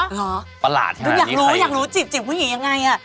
หาเหรอประหลาดเท่านั้นดูอยากรู้จีบผู้หญิงยังไงอะ